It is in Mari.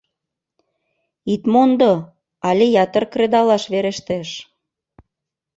Ит мондо, але ятыр кредалаш верештеш.